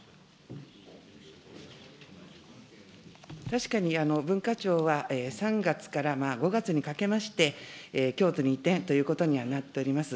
確かに文化庁は３月から５月にかけまして、京都に移転ということにはなっております。